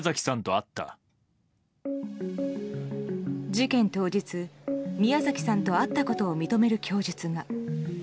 事件当日、宮崎さんと会ったことを認める供述が。